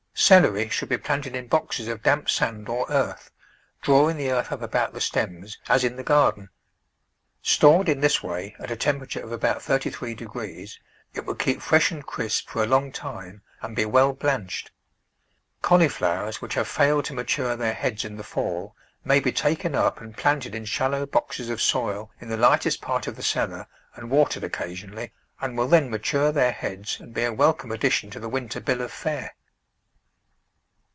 Celery should be planted in boxes of damp sand or earth, drawing the earth up about the stems, as in the garden. Stored in this way, at a temperature of about 33°, it will keep fresh and crisp for a long time and be well blanched. Cauliflowers which have failed to mature their heads in the fall may be taken up and planted in shallow boxes of soil in the lightest x^art of the cellar and watered oc STORING VEGETABLES IN WINTER casionally and will then mature their heads and be a welcome addition to the winter bill of fare.